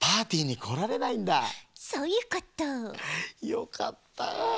よかった。